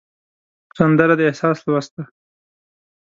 سندره د احساس لوست دی